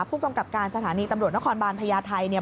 ผู้กำกับการสถานีตำรวจนครบานพญาไทยเนี่ย